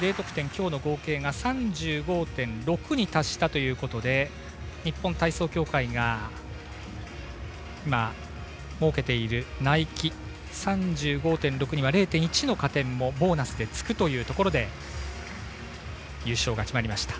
今日の合計が３５．６に達したということで日本体操協会が今、設けている内規３５．６には０．１の加点にボーナスでつくというところで優勝が決まりました。